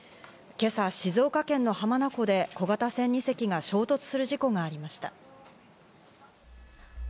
今朝、静岡県の浜名湖で小型船２隻が衝突する事故がありました。